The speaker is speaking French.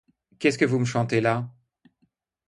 Qu'est-ce que vous me chantez là?